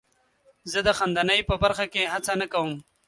زه د خندنۍ په برخه کې هڅه نه کوم.